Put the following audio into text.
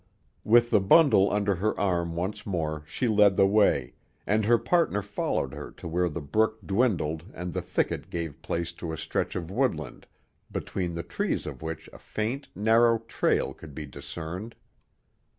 With the bundle under her arm once more she led the way, and her partner followed her to where the brook dwindled and the thicket gave place to a stretch of woodland, between the trees of which a faint, narrow trail could be discerned.